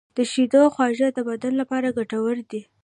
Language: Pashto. د شیدو خواږه د بدن لپاره ګټور دي.